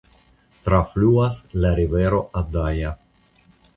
Trafluas la rivero Adaja.